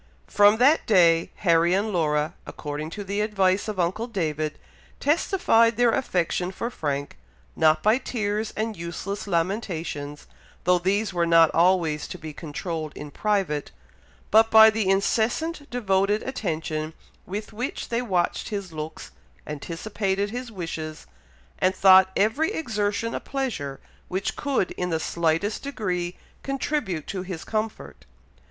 From that day, Harry and Laura, according to the advice of uncle David, testified their affection for Frank, not by tears and useless lamentations, though these were not always to be controlled in private, but by the incessant, devoted attention with which they watched his looks, anticipated his wishes, and thought every exertion a pleasure which could in the slightest degree contribute to his comfort.